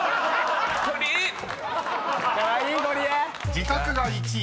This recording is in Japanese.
［「自宅」が１位。